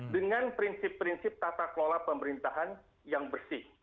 dengan prinsip prinsip tata kelola pemerintahan yang bersih